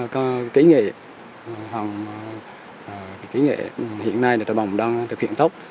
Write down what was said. có cái kỹ nghệ hoặc cái kỹ nghệ hiện nay là ta bỏng đang thực hiện tốc